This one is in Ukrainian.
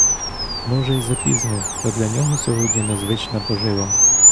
Може й запізно, та для нього сьогодні незвична пожива.